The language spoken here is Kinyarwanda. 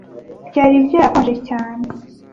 Byari byarakonje cyane.